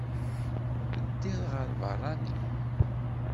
Teddiḍ ɣer lbeṛṛani?